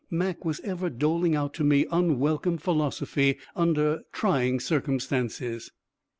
Mac was ever doling out to me unwelcome philosophy under trying circumstances.